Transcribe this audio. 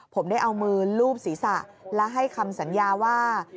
ผมได้เอามือลูบศีรษะและให้คำสัญญาว่า